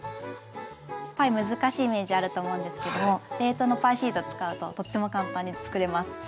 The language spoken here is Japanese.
パイ難しいイメージあると思うんですけども冷凍のパイシート使うととっても簡単に作れます。